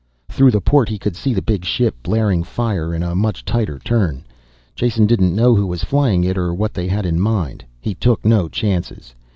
Through the port he could see the big ship blaring fire in a much tighter turn. Jason didn't know who was flying it or what they had in mind he took no chances.